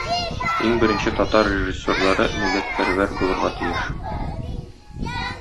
Иң беренче татар режиссерлары милләтпәрвәр булырга тиеш.